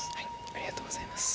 ありがとうございます。